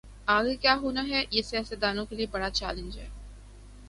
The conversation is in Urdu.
آگے کیا ہوناہے یہ سیاست دانوں کے لئے بڑا چیلنج ہے۔